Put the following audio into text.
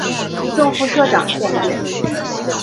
正副社长限定